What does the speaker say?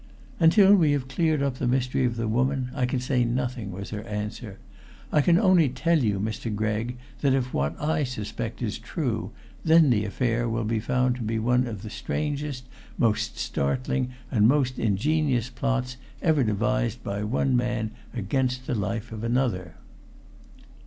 "Until we have cleared up the mystery of the woman I can say nothing," was her answer. "I can only tell you, Mr. Gregg, that if what I suspect is true, then the affair will be found to be one of the strangest, most startling and most ingenious plots ever devised by one man against the life of another."